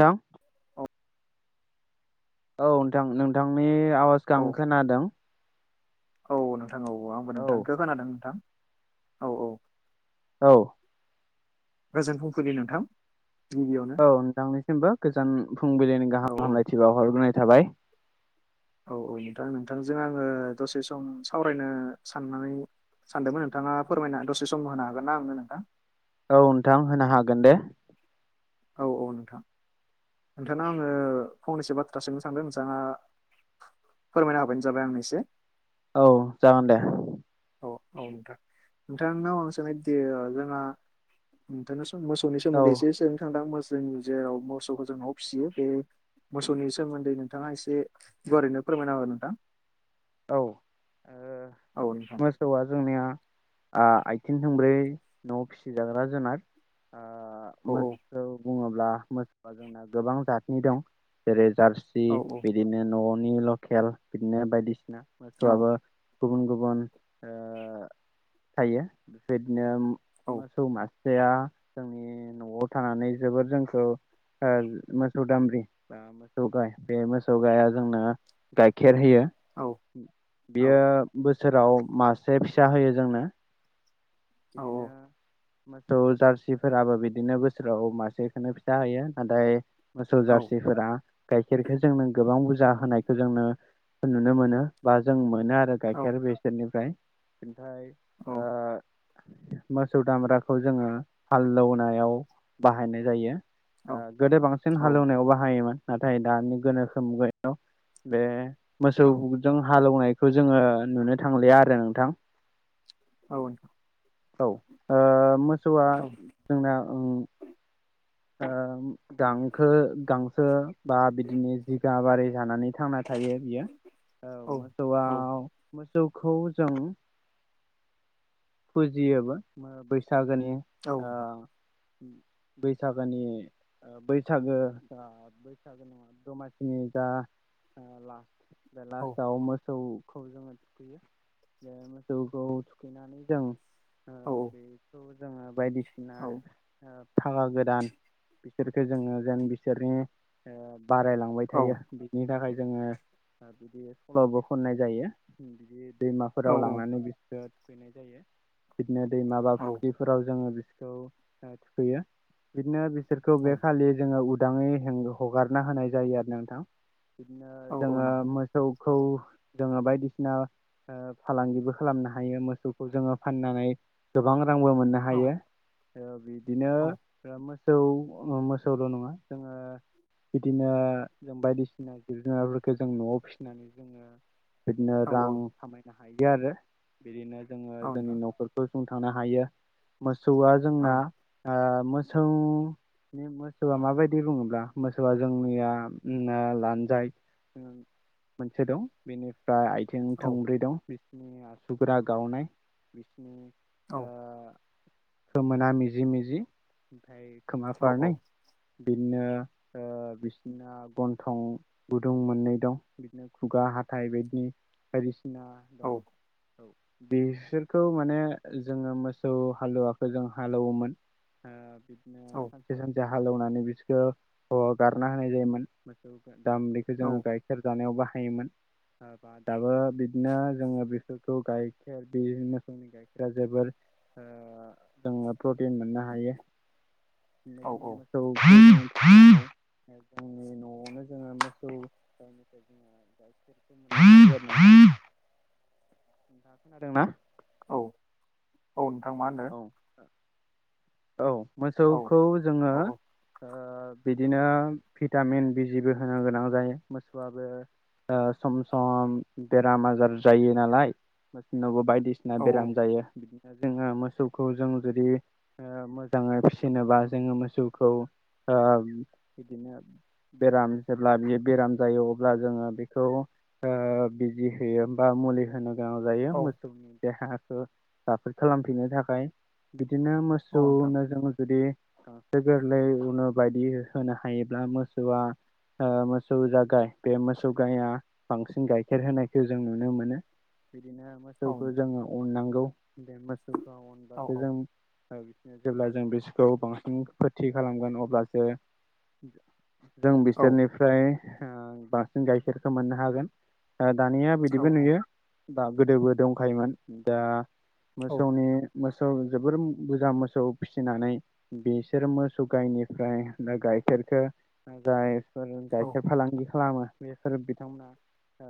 नोंथां औ औ नोंथां नोंथांनि आवाजखौ औ आं खोनादों। औ नोंथां औ आंबो नोंथांखौ खोनादों नोंथां औ औ औ गोजोन फुं फुलि नोंथां। गिबियावनो औ नोंथांनिसिमबो गोजान फुंबिलिनि औ गाहाम औ हामलायथि बाव हरग्रोनाय थाबाय। औ नोंथां नोंथांजों आङो दसे सम सावरायनो साननानै सानदोंमोन नोंथाङा फोरमायना दसे सम होनो हागोन ना आंनो नोंथां। औ नोंथां होनो हागोन दे। औ औ नोंथां नोंथांनाव आङो फंनैसो बाथ्रा सोंनो सानदों नोंथाङा फोरमायना होबानो जाबाय आंनो एसे। औ जागोन दे। औ औ नोंथां नोंथांनाव आ सानो नागिरदोंमोन ओ जोंना नोंथां मोसौनि औ सोमोन्दै एसे सोंनो सान्दों आं जों जेराव मोसौखौ जों न'आव फिसियो बे मोसौनि सोमोन्दै नोंथाङा एसे गुवारैनो फोरमायना हो नोंथां। औ औ नोंथां मोसौआ जोंनिया ओ आथिं थोंब्रै न'आव फिसिजाग्रा जुनार। औ ओ मोसौ बुङोब्ला मोसौआ जोंना गोबां जातनि दं जेरै जारसि औ बिदिनो न'नि लकेल बिदिनो बायदिसिना औ मोसौआबो गुबुन गुबुन ओ थायो बेफोरबायदिनो औ मोसौ मासे या जोंनि न'आव थानानै जोबोर जोंखौ ओ मोसौ दामब्रि बा मोसौ गाय बे मोसौ गायआ जोंना गायखे र होयो। औ औ बियो बोसोराव मासे फिसा होयो जोंनो औ बिदिनो मोसौ जारसिफोराबो बिदिनो बोसोराव मासेखौनो फिसा होयो नाथाय मोसौ औ जारसिफोरा गायखेरखौ जोंनो गोबां बुरजा होनायखौ जोंनो नुनो मोनो बा जों मोनो आरो औ गाइखेर बिसोरनिफ्राय ओमफ्राय औ ओ मोसौ दामब्राखौ जोङो हालौनायाव बाहायनाय जायो। औ ओ गोदो बांसिन औ हालेवनायाव बाहायोमोन। नाथाय दानि गोनोखो मुगायाव बे औ मोसौजों हालौवनाय खौ जोङो नुनो थांलिया आरो नोंथां। औ औ ओ मोसौआ औ जोंना ओम ओम गांखो गांसो बा बिदिनो जिगाबआरि जानानै थांना थायो बियो। औ मोसौ आव मोसौखौ जों फुजियोबो बैसागोनि औ नोंथां बै सागोनि ओ बैसागो बैसागो नङा दमासिनि जा ला लास्टआव मोसौ खौ जोङो थुखैयो बे मोसौखौ थुखैनानै जों ओ औ नोंथां औ बेखौ जोङो बायदिसिना ओ फागा गोदान बिसोरखौ जोङो जेन बिसोरनि ओ बारायलांबाय थायो बिनि थाखाय जोङो ओ बिदि सलबो खननाय जायो बिदि दैमाफोराव लांनानै बिसोरखो थुखैनाय जायो बिदिनो दैमा बा फुख्रिफोराव जोङो बि थुखैयो बिदिनो बिसोरखौ बे खालि जोङो उदाङै हें हगारना होनाय जायो आरो नोंथां बिदिनो औ औ जोङो मोसौ खौ जोङो बायदिसिना फालांगिबो खालामनो हायो मोसौखौ जोङो फाननानै गोबां रांबो मोननो हायो बिदिनो औ मोसौ मोसौल' नङा जोङो बिदिनो जों बायदिसिना जिब जुनारफोरखौ जों न'आव फिसिनानै जोङो बिदिनो रां खामायनो हायो आरो बिदिनो जोङो जोंनि न'फोरखौ सुंथांनो हायो मोसौआ जोंना ओ मोसौ बे मोसौआ माबायदि बुङोब्ला मोसौआ जोंनिया लानजाय ओ मोनसे दं बेनि ओमफ्राय आथिं थोंब्रै दं बिसिनि आसुगुरा गावनाय बिसिनि औ ओ खोमोना मिजि मिजि ओमफ्राय खोमाफारनै बिदिनो ओ बिसिना गन्थं गुदुं मोननै दं बिदिनो खुगा हाथाय बायदि बायदिसिना दं बिसोरखौ माने जोङो मोसौ हालुवाखौ जों हाल एवोमोन ओ बिदिनो सानसे सानसे हाल एवनानै बिसोरखौ हगारना होनाय जायोमोन मोसौ दामब्रिखौ जोङो गाइखेर जानायाव बाहायोमोन दाबो बिदिनो जोङो बेसोरखौ गाइखेर बि मोसौनि गाइखेरा जोबोर ओ जोङो प्रटिन मोननो हायो बिदिनो जोङो मोसौ जोंनि न'आवनो जोङो ओ मोसौ गायनिफ्राय जोङो गायखेरखौ मोननाय नोंथां आ खोनादोंना औ नोंथां मा होनदों औ मोसौखौ जोङो औ ओ बिदिनो भिटामिन बिजिबो होनो गोनां जायो मोसौआबो ओ सम सम बेराम आजार जायो नालाय मोसौनावबो बायद बायदिसिना औ बेराम जायो बिदिनो जोङो मोस मोसौखौ जों जुदि मोजाङै फिसिनोबा जोङो मोसौखौ ओ बिदिनो बेराम जेब्ला बे बेराम जायो अब्ला जोङो बेखौ ओ बिजि होयो बा मुलि होनो गोनां जायो औ मोसौनि देहाखौ राफोद खालामफिननो थाखाय बिदिनो औ नोंथां मोसौनो जों जुदि गोरलैआवनो बायदि होनो हायोब्ला मोसौआ ओ मोसौ जा गाइ बे मोसौ गाइआ बांसिन गाइखेर होनायखौ जों नुनो मोनो बिदिनो औ मोसौखौ नोंथां जोङो अननांगौ बे मोसौखौ औ अनबासो जों ओ बिसिनो जेब्ला जों बिसोरखौ बांसिन फोथि खालामगोन अब्लासो जों औ बोसोरनिफ्राय ओ बांसिन गाइखेरखौ मोननो हागोन ओ दानिया औ बिदिबो औ नुयो दा गोदोबो दंखायोमोन दा मोसौनि मोसौ जोबोर बुरजा मोसौ फिसिनानै बिसोर मोसौ गावनिफ्राय दा गाइ गाइखेरखौ जायफोर गाइखेर फालांगि खालामो बेसोर बिथांमोना ओ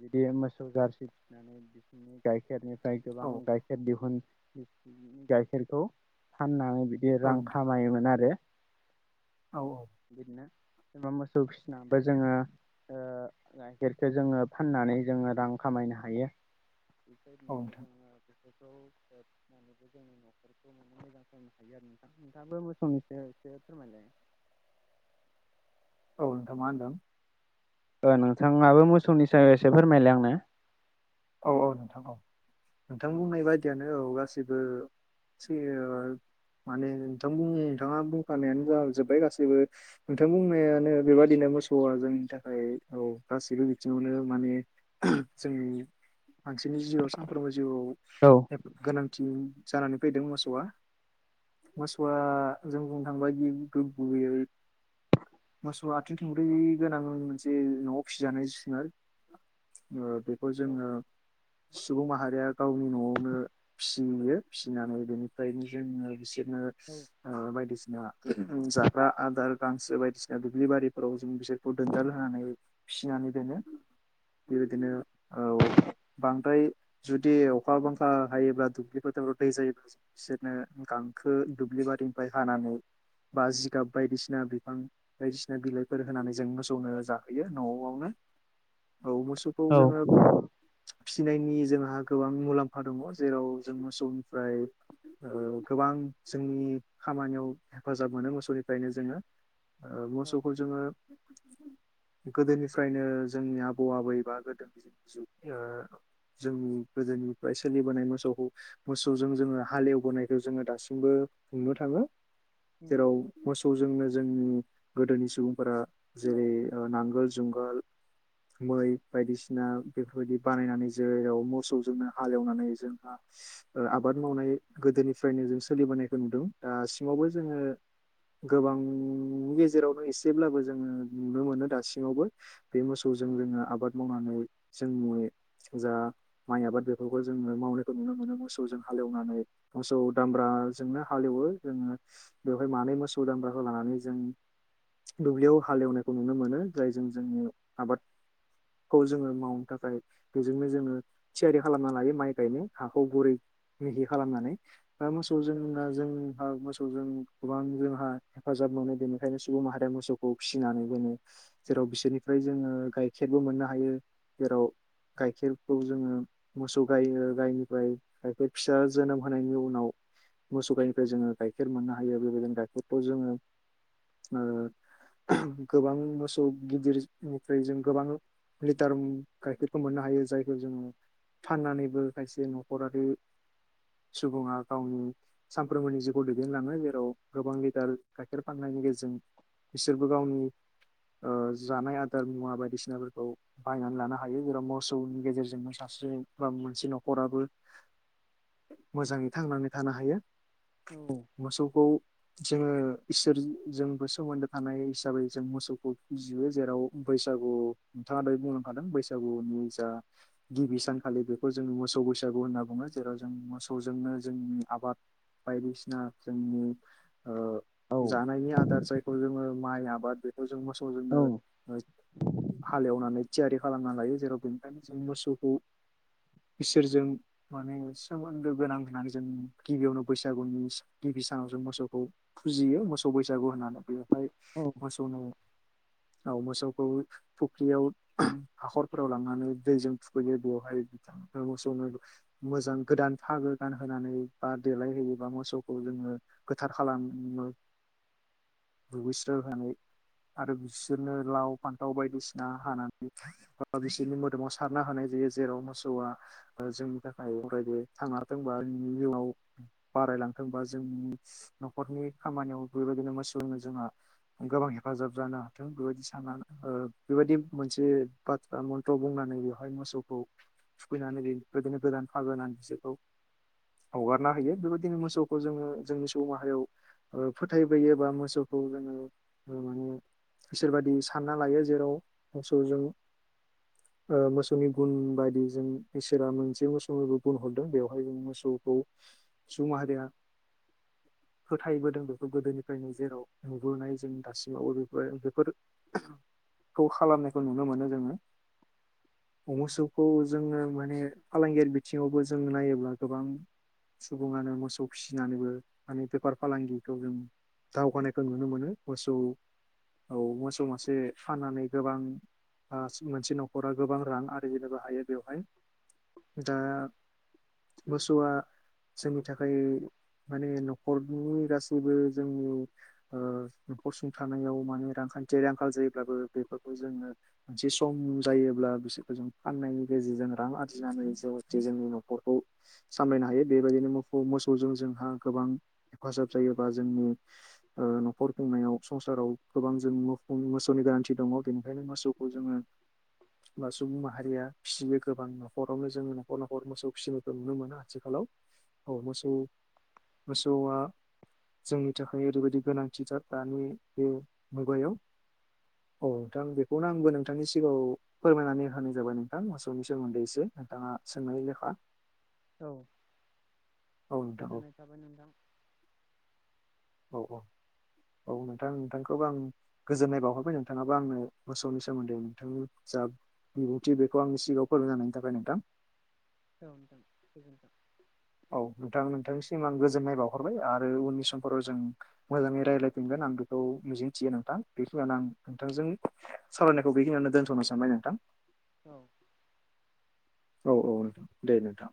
बिदि मोसौ जारसि फिनानै बिसिनि गाइखेरनिफ्राय फाय गोबां गाइखेर दिहुन गाइखेरखौ फाननानै बिदि रां नोंथां खामायोमोन आरो औ औ बिदिनो जेनेबा मोसौ फिसिनाबो जोङो ओ गाइखेरखौ जोङो फाननानै जोङो रां खमायनो हायो औ नोंथां जोंनि न'खरखौ मोजां खालामनो हायो आरो नोंथां नोंथाङाबो मोसौनिसो एसे फोरमायलाय [inaudible] औ नोंथां मा होनदों ओ नोंथाङाबो मोसौनि सायाव एसे फोरमायलाय आंनो? औ औ नोंथां औ नोंथां बुंनाय बायदियानो औ गाससिबो [unintelligible] माने नोंथां नोंथाङा बुंखानायानो जाजोब्बाय गासैबो नोंथां बुंनायानो बेबादिनो मोसौ जोंनि थाखाय औ गासैबो बिथिङावनो माने जोंनि मानसिनि जिउआव सानफ्रोमबो औ जिउआव गोनांथि जानानै फैदों मोसौआ। मोसौआ जों बुंनो थांङोब्ला गिबियै मोसौ मोसौ आ आथिं थोंब्रै गोनां मोनसे न'आव फिजानाय जुनार ओ बेखौ जोङो सुबुं माहारिया गावनि नआवनो फियो फिसिनानै बेनिफ्रायनो जोङो बिसोरनो ओ बायदिसिना ओ जाग्रा आदार गांसो बायदिसिना दुब्लि बारिफोराव जों बिसोरखौ दोनदार होनानै फिनानै दोनो बेबायदिनो औ बांद्राय जुदि अखा बांखा हायोब्ला दुब्लिफोरावाव दै जायोब्ला बिसोरनो गा हांखो दुब्लि बारिनिफ्राय हानानै बा जिगाब बायदिसिना बिफां बायदिसिना बिलाइफोर होनानै जों मोसौनो जाहोयो नआवनो [inaudible] औ मोसौखौ जोङो फिनायनि जोंहा गोबां मुलाम्फा दङ जेराव जों मोसौनिफ्राय ओ गोबां जोंनि खामानियाव हेफाजाब मोनो मोसौनिफ्रायनो जोङो। ओ मोसौखौ जोङो गोदोनिफ्रायनो जोंनि आबौ आबैबा गोदो बि जुफि ओ [unintelligible] जोंनि गोदोनिफ्राय सोलिबोनाय मोसौखौ मोसौजों जोङो हालेवबोनायखौ जोङो दासिमबो नुनो थाङी जेराव मोसौ खौ जोंनो जोंनि गोदोनि सुबुंफोरा जेरै नांगोल जुंगाल मै बायदिसिना बेफोरबायदि बानायनानै जेराव मोसौजोंनो हालेवनानै जोंहा ओ आबाद मावनाय गोदोनिफ्रायनो जों सोलिबोनायखौ नुदों दासिमावबो जोङो गोबां गेजेरावनो एसेब्लाबो जोङो नुनो मोनो दासिमावबो बे मोसौजों जोङो आबाद मावनानै जोंनि जा माइ आबाद बेफोरखौ जोङो मावनायखौ नुनो मोनो मोसौजों हालेवनानै मोसौ दामब्राजोंनो हालेवो जोङो बेवहाय मानै मोसौ दामब्राखौ लानानै जों दुब्लियाव हालेवनायखौ नुनो मोनो जाय जों जोंनि आबादखौ जोङो मावनो थाखाय बेजोंनो जोङो थियारि खालामना लायो माइ गायनाय हाखौ गुरै मिहि खालामनानै मोसौ जोंना जों मोसौ जों गोबां जोंहा हेफाजाब मोनो बेनिखायनो सुबुं माहारिया मोसौखौ फिसिनानै बोनो जेराव बिसोरनिफ्राय जोङो गाइखेरबो मोननो हायो जेराव गाइखेरखौ जोङो मोसौ गायो गायनिफ्राय गायखेर फिसा जोनोम होनायनि उनाव मोसौ गनिफ्राय जोङो गाइखेर मोननो हायो बेबायदिनो गाइखेरखौ जोङो ओ गोबां मोसौ गिदिरनिफ्राय जों गोबां दार गाइखेरखौ मोननो हायो जायखौ जोङो फाननानैबो खायसे नखरारि सुबुङा गावनि सानफ्रोमबोनि जिउखौ दैदेनलाङो जेराव गोबां लिडार गाइखेर फाननाय नि गेजेरजों बिसोरबो गावनि ओ जानाय आदार मुवा बायदिसिनाफोरखौ बाहायनानै लानो हायो जाव मोसौनि गेजेरजोंनो सासे मोनसे नखराबो मोजाङै थांनानै थानो हायो मोसौखौ जोङो इसोर जोंबो सोमोन्दो थानाय हिसाबै जों मोसौखौ फियो जेराव बै सागु बिथाङा दै बुंलांखादों बैसागुनि जा गिबि सानखालि बेखौ जों मोसौ बैसागु होनना बुङो जेरै जों मोसौजोंनो जोंनि आबाद बायदिसिना जोंनि औ ओ जानायनि आदार जायखौ जोङो माइ आबाद जों मोसौ औ जोङो हालेवनानै थियारि खालामना लायो जेराव बेनि आनो जों मोसौखौ [inaudible] इसोरजों माने सोमोन्दो गोनां होननानै जों गिबियावनो बैसागुनि गिबि सानाव मोसौखौ फुजियो मोसौ बैसागु होननानै बियो ओ औ मोसौनाव औ मोसौखौ फुख्रियाव हाखरफोराव लांनानै दैजों थुखैयो बेवहाय ओ मोसौनो मोजां गोदान फागो गानहोनानै बा देलायहोयोबा मोसौखौ जोङो गोथार खालामो [unintelligible] दुगैस्राय होनानै आरो बिसोरनो लाव फान्थाव बायदि बायदिसिना हानानै बा बिसोरनि मोदोमाव सारना होनाय जायो जेराव मोसौआ अ जोंनि थाखा थाखाय अरायबो थांना थाथों बानि जिउआव बारायलांथों बा जोंनि न'खरनि खामानियाव बेबायदिनो मोसौनो जोंहा गोबां हेफाजाब जानो हाथों बेबायदि साननानै ओ बेबायदि मोनसे बाथ्रा मन्थ्र बुंनानै बेवहाय मोसौखौ थुखैनानै बेबादिनो गोदान हागोनानै बिसोरखौ हगारना होयो बेबायदिनो मोसौखौ जोङो जोंनि सुबुं माहायाव फोथायबोयो बा मोसौखौ जोङो माने इसोरबादि सानना लायो जेराव मोसौजों [unintelligible] अ मोसौनि गुन बायदि जों इसोरा मोनसे मोसौनिबो गुन हरदों बेवहाय जों मोसौखौ सुबुं माहारिया [inaudible] फोथायबोदों बेखौ गोदोनिफ्रायनो जेराव नुुबुनाय जों दासिमावबो बेफोर बेफोर खौ खालामनायखौ नुनो मोनो जोङो अ मोसौखौ जोङो माने फालांगियारि बिथिङावबो जो नायोब्ला गोबां सुबुङानो मोसौ फिसिनानैबो माने बेफार फालांगिखौ जों दावगानायखौ नुनो मोनो मोसौ औ मोसौ मासे खानानै गोबां आ मोनसे न'खरा गोबां रां आरिजिनोबो हायो बेवहाय दा मोसौआ जोंनि थाखाय माने न'खरनि गासैबो जोंनि अ न'खर सुंथानायाव माने रां खान्थियारि आंखाल जायोब्लाबो बेफोरखौ जोङो मोनसे सम जायोब्ला बिसोरखौ जों फाननायनि गेजेरजों रां आरजिनानै जे जोंनि न'खरखौ सामलायनो हायो बेबायदिनो मोसौ मोसौजों जोंहा गोबां हेफाजाब जायोबा जोंनि अ न'खर खुंनायाव संसाराव गोबां जों मोसौनि गोनांथि दङ बेनिखायनो मोसौखौ जोङो बा सुबुं माहारिया फिसियो गोबां न'खरावनो जोङो न'खर न'खर मोसौ फिसिनायखौ नुनो मोनो आथिखालाव औ मोसौ मोसौआ जोंनि थाखाय ओरैबायदि गोनांथिथार दानि बे मुगायाव [inaudible] औ नोंथां बेखौनो आंबो नोंथांनि सिगाङाव फोरमायनानै होनाय जाबाय नोंथां मोसौनि सोमोन्दै एसे नोंथाङा सोंनाय लेखा औ औ नोंथां औ गोजोननाय थाबाय नोंथां औ औ औ नोंथां नोंथांखौबो आं गोजोननाय बावहरबाय नोंथाङाबो आंनो मोसौनि सोमोन्दै नोंथांनि जा बिबुंथि बेखौ आंनि सिगाङाव फोरमायना होनायनि थाखाय नोंथां औ नोंथां गोजोनथों सिम आं गोजोननाय बावहरबाय आरो उननि सम फोराव जों मोजाङै रायजलायफिनगोन आं बेखौ मिजिंथियो नोंथां बेखिनिनो आं नोंथांजों सावरायनायखौ बेखिनियावनो दोनथ'नो सानबाय नोंथां औ औ औ नोंथां दे नोंथां।